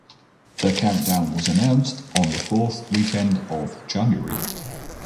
The countdown was announced on the fourth weekend of January.